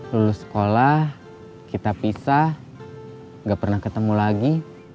lulus sekolah kita pisah gak pernah ketemu lagi